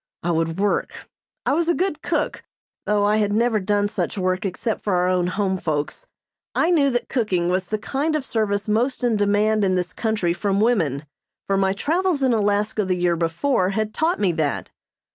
I would work. I was a good cook, though I had never done such work except for our own home folks. I knew that cooking was the kind of service most in demand in this country from women, for my travels in Alaska the year before had taught me that.